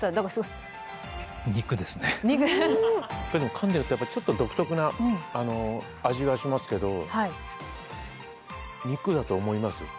かんでるとやっぱちょっと独特な味がしますけど肉だと思います。